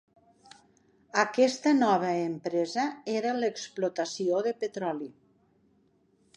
Aquesta nova empresa era l'explotació de petroli.